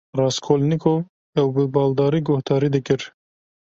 Raskolnîkov ew bi baldarî guhdarî dikir.